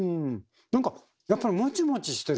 何かやっぱりモチモチしてる？